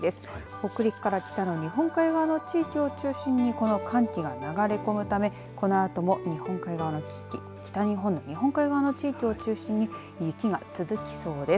北陸から北の日本海側の地域を中心にこの寒気が流れ込むためこのあとも日本海側の地域北日本の日本海側の地域を中心に雪が続きそうです。